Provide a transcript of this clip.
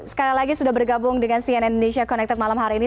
sekali lagi sudah bergabung dengan cnn indonesia connected malam hari ini